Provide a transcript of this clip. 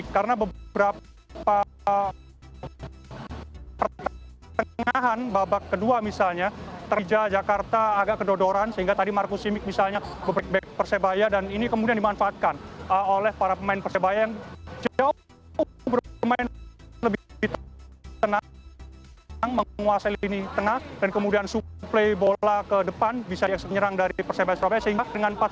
karena beberapa pertengahan babak kedua misalnya terija jakarta agak kedodoran sehingga tadi markus simik misalnya berbreakback persebaya dan ini kemudian dimanfaatkan oleh para pemain persebaya yang jauh lebih tenang menguasai lini tenang dan kemudian suplei bola ke depan bisa diakses penyerang dari persebaya